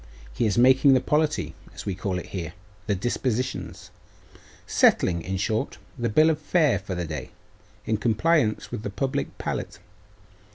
He is making the polity, as we call it here; the dispositions; settling, in short, the bill of fare for the day, in compliance with the public palate.